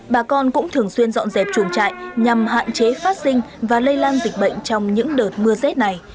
bà con cũng thường xuyên dọn dẹp chuồng trại nhằm hạn chế phát sinh và lây lan dịch bệnh trong những đợt mưa rét này